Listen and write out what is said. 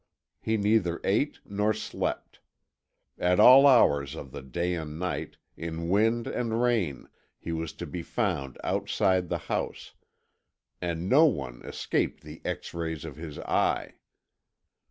He neither ate nor slept. At all hours of the day and night, in wind and rain, he was to be found outside the house, and no one escaped the X rays of his eye.